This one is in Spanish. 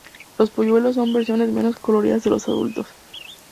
Los polluelos son versiones menos coloridas de los adultos.